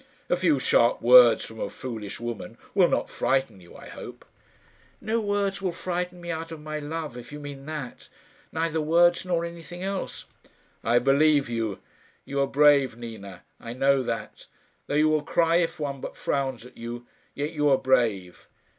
A few sharp words from a foolish woman will not frighten you, I hope." "No words will frighten me out of my love, if you mean that neither words nor anything else." "I believe you. You are brave, Nina. I know that. Though you will cry if one but frowns at you, yet you are brave."